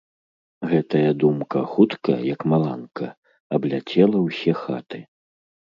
Гэтая думка хутка, як маланка, абляцела ўсе хаты.